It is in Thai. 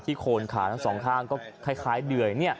ที่โคนขาทั้งสองข้างแค่เดื่อย